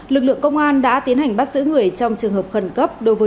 lực lượng công an đã tiến hành bắt giữ người trong trường hợp khẩn cấp